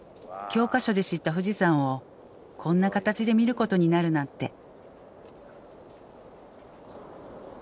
教科書で知った富士山をこんな形で見ることになるなんて。